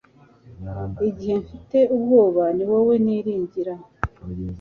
Igihe mfite ubwoba ni wowe niringira